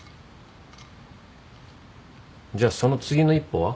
じゃあその次の一歩は？